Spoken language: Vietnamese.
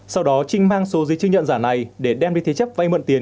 sau đó trinh mang số giấy chứng nhận giả này để đem đi thế chấp vay mượn tiền